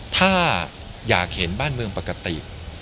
ถ้าอยากเห็นบ้านเมืองปกติ